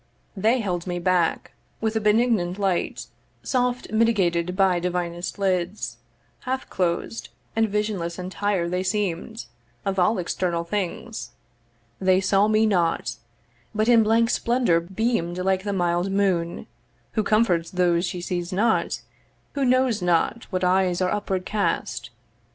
They held me back, with a benignant light Soft mitigated by divinest lids Half closed, and visionless entire they seem'd Of all external things; they saw me not, But in blank splendour beam'd like the mild moon, Who comforts those she sees not, who knows not What eyes are upward cast.